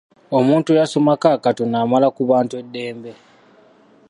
Omuntu eyasomako akatono amala ku bantu eddembe.